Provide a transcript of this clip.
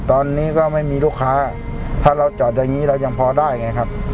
ตอนนี้ก็ไม่มีลูกค้าถ้าเราจอดอย่างนี้เรายังพอได้ไงครับ